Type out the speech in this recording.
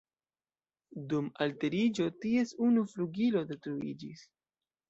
Dum alteriĝo, ties unu flugilo detruiĝis.